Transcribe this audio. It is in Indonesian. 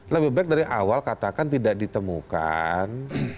lebih baik dari awal katakan tidak ditemukan